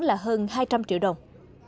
là hơn hai trăm linh triệu đồng